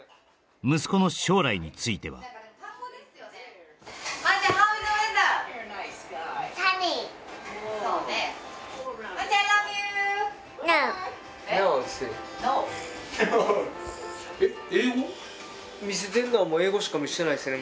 息子の将来についてはえっ？